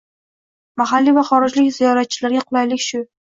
Mahalliy va xorijlik ziyoratchilarga qulaylik shu.